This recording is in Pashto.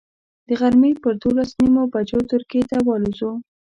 د غرمې پر دولس نیمو بجو ترکیې ته والوځو.